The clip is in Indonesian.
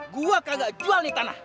gua kagak jual nih tanah